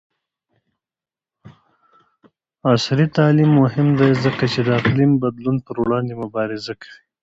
عصري تعلیم مهم دی ځکه چې د اقلیم بدلون پر وړاندې مبارزه کوي.